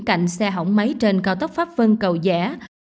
cạnh xe hỏng máy trên cao tốc pháp vân cầu rẽ